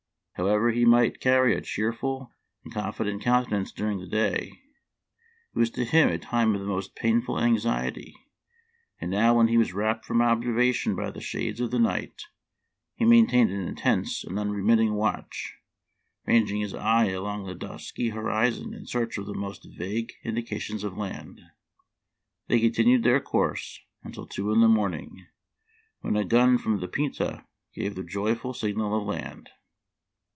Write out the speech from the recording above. However he might carry a cheerful and confi dent countenance during the day, it was to him a time of the most painful anxiety ; and now when he was wrapped from observation by the shades of night, he maintained an intense and unremitting watch, ranging his eye along the dusky horizon in search of the most vague indi cations of land. ... They continued their course until two in the morning, when a gun from the Pinta gave the joyful signal of land.